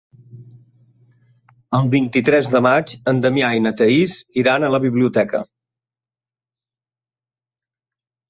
El vint-i-tres de maig en Damià i na Thaís iran a la biblioteca.